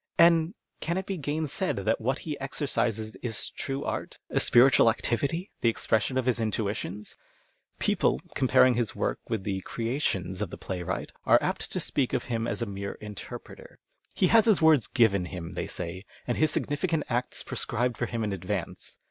And can it be gainsaid that what he exercises is true art, a spiritual activity, the expression of his intuitions ? People, comparing his work with the " creations " of the playwright, arc apt to speak of him as a mere " interpreter." He has his words given him, they say, and his significant acts pre scribed for him in advance.